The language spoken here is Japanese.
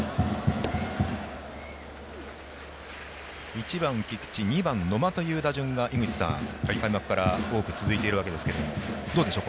１番、菊池２番、野間という打順が開幕から多く続いているわけですがどうですか？